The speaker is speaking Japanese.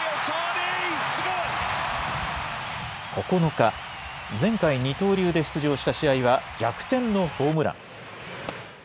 ９日、前回、二刀流で出場した試合は、逆転のホームラン。